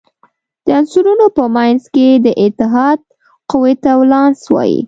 د عنصرونو په منځ کې د اتحاد قوې ته ولانس وايي.